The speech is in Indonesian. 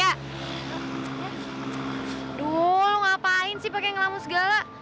aduh lu ngapain sih pake ngelamu segala